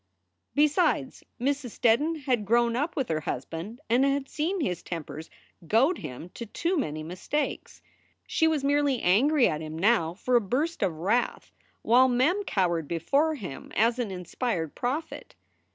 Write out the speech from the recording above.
Besides, Mrs. Steddon had grown up with her husband and had seen his tempers goad him to too many mistakes. She was merely angry at him now for a burst of wrath, while Mem cowered before him as an inspired prophet. Mrs.